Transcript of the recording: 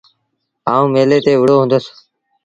آئوٚݩ ميلي تي وُهڙو هُندس۔